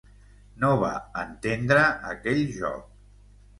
No va entendre aquell joc...